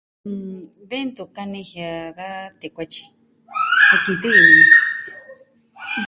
De ntu kanijia da tee kuatyi, jen kitɨ ini ni.